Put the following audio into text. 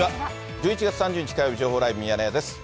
１１月３０日火曜日、情報ライブミヤネ屋です。